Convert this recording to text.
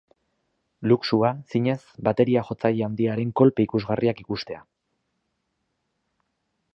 Luxua, zinez, bateria-jotzaile handiaren kolpe ikusgarriak ikustea.